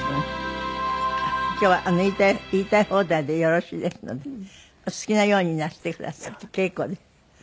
今日は言いたい放題でよろしいですのでお好きなようになすってくださって結構です。